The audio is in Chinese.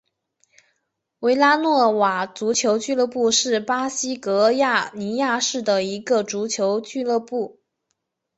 维拉诺瓦足球俱乐部是巴西戈亚尼亚市的一个足球俱乐部。